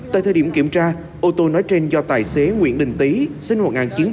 tại thời điểm kiểm tra ô tô nói trên do tài xế nguyễn đình tý sinh một nghìn chín trăm chín mươi bảy